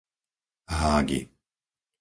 Hágy